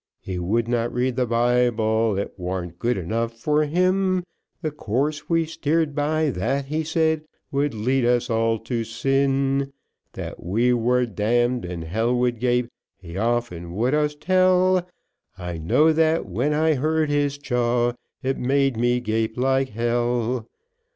He would not read the Bible, it warn't good enough for him, The course we steered by that he said, would lead us all to sin; That we were damn'd and hell would gape, he often would us tell, I know that when I heard his jaw, it made me gape like hell.